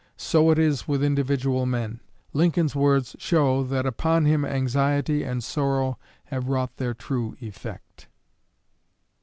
So it is with individual men. Lincoln's words show that upon him anxiety and sorrow have wrought their true effect."